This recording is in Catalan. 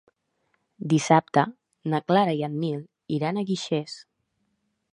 Dissabte na Clara i en Nil iran a Guixers.